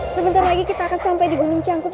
sebentar lagi kita akan sampai di gunung cangkuk